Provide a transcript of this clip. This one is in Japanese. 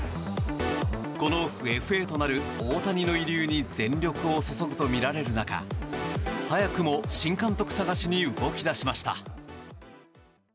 このオフ、ＦＡとなる大谷の慰留に全力を注ぐとみられる中早くも新監督探しに動き出しました。